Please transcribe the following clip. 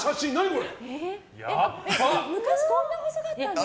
昔こんなに細かったんですね。